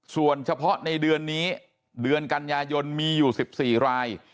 ส่วนเฉพาะในเดือนนี้เดือนกันยายนมีอยู่๑๔ราย